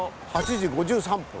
８時５３分。